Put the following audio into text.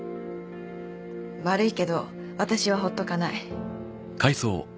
「悪いけど私はほっとかない」